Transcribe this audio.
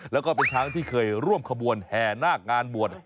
แล้วก็เป็นช้างที่เคยร่วมขบวนแห่นาคงานบวช